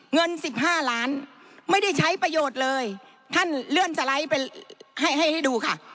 เงิน๑๕ล้านไม่ได้ใช้ประโยชน์เลยท่านเลื่อนสไลด์ไปให้ให้ดูค่ะ